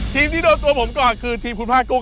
ที่โดนตัวผมก่อนคือทีมคุณผ้ากุ้